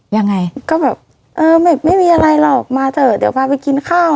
ยังไงก็แบบเออไม่มีอะไรหรอกมาเถอะเดี๋ยวพาไปกินข้าว